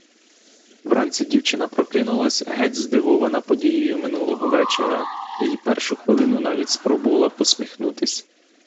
Вранці дівчина прокинулась геть здивована подією минулого вечора й першу хвилину навіть спробувала посміхнутись.